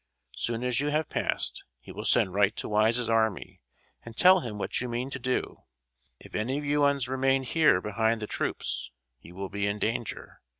Soon as you have passed, he will send right to Wise's army, and tell him what you mean to do; if any of you'uns remain here behind the troops, you will be in danger.